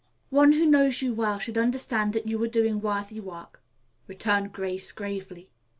"One who knows you well should understand that you are doing worthy work," returned Grace gravely.